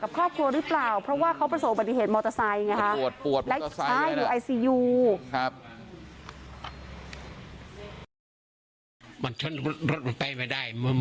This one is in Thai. กับครอบครัวหรือเปล่าเพราะว่าเขาประสงค์บันดีเหตุมอเตอร์ไซด์